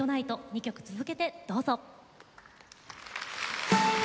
２曲続けてどうぞ。